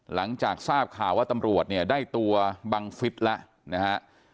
หลังจากทราบข่าวว่าตำรวจเนี่ยได้ตัวบังฟิศแล้วนะฮะ